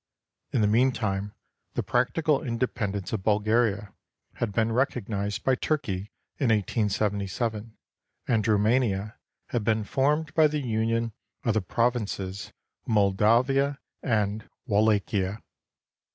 In the mean time the practical independence of Bulgaria had been recognized by Turkey in 1877, and Roumania had been formed by the union of the provinces of Moldavia and Wallachia.